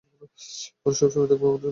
ওরা সবসময়েই থাকবে আমাদের জন্য।